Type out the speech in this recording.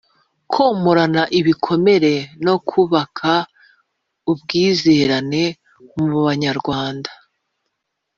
Komorana ibikomere no kubaka ubwizerane mu Banyarwanda